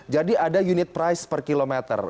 jadi ada unit price per kilometer